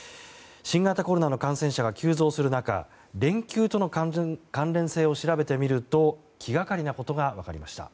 新型コロナの感染者が急増する中連休との関連性を調べてみると気がかりなことが分かりました。